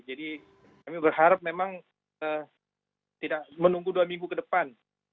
jadi kami berharap memang tidak menunggu dua minggu ke depan